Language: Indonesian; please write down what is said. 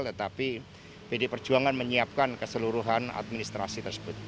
tetapi pd perjuangan menyiapkan keseluruhan administrasi tersebut